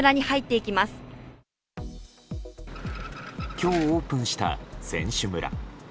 今日オープンした選手村。